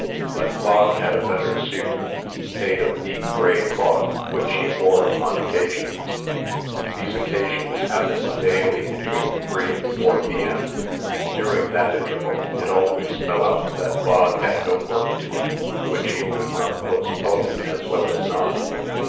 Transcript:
But Bog had a better suit, made of neat gray cloth, which he wore upon occasions. These occasions happened daily between three and four P.M. During that interval, it always fell out that Bog had no work to do which he could not postpone as well as not.